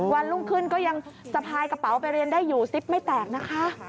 วันรุ่งขึ้นก็ยังสะพายกระเป๋าไปเรียนได้อยู่ซิปไม่แตกนะคะ